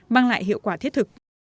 mang lại hiệu quả thiết thực